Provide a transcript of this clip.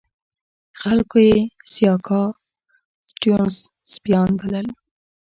خلکو یې سیاکا سټیونز سپیان بلل.